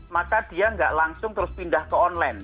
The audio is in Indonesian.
maka dia nggak langsung terus pindah ke online